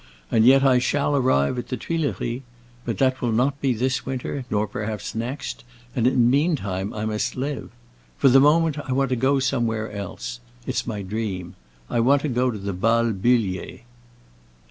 And yet I shall arrive at the Tuileries. But that will not be this winter, nor perhaps next, and meantime I must live. For the moment, I want to go somewhere else; it's my dream. I want to go to the Bal Bullier."